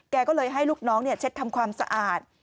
แกก็เลยให้ลูกน้องเช็ดทำความสะอาด